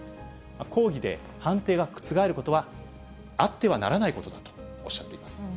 抗議で判定が覆ることはあってはならないことだとおっしゃっています。